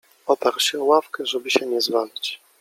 Oparł się o ławkę, żeby się nie zwalić.